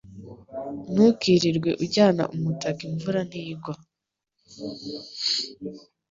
Ntukirirwe ujyana umutaka imvura ntigwa.